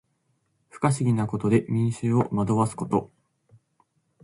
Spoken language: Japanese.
不可思議なことで民衆を惑わすこと。